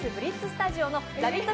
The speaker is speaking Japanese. スタジオのラヴィット！